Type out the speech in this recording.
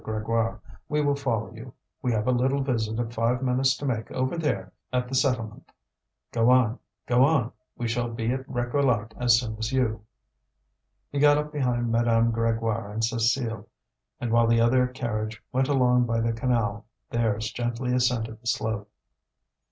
Grégoire. "We will follow you; we have a little visit of five minutes to make over there at the settlement. Go on, go on! we shall be at Réquillart as soon as you." He got up behind Madame Grégoire and Cécile, and while the other carriage went along by the canal, theirs gently ascended the slope.